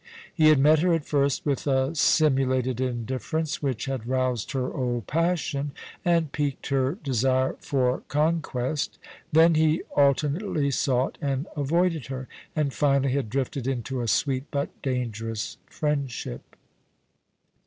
He had met her at first with a simulated indifference, which had roused her old pjassion and piqued her desire for con quest ; then he alternately sought and avoided her, and finally had drifted into a sweet but dangerous friendship.